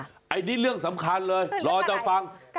อันนี้เรื่องสำคัญเลยรอจะฟัง